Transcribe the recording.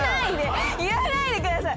言わないでください！